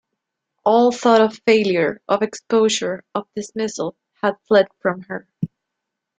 All thought of failure, of exposure, of dismissal had fled from her.